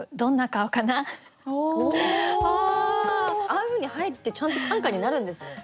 ああいうふうに入ってちゃんと短歌になるんですね。